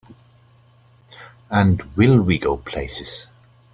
And will we go places!